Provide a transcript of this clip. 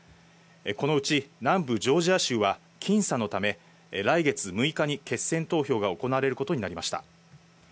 このうち南部ジョージア州は僅差のため、来月６日に決選投票が行われることになりました。